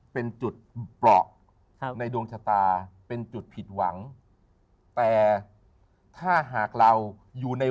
เป็นจุดเปราะในดวงชะตาเป็นจุดผิดหวังแต่ถ้าหากเราอยู่ใน